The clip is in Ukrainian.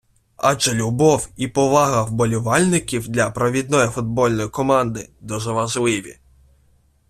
Адже любов і повага вболівальників для провідної футбольної команди дуже важливі.